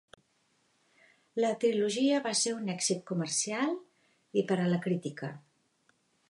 La trilogia va ser un èxit comercial i per a la crítica.